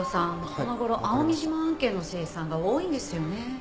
この頃蒼海島案件の精算が多いんですよね。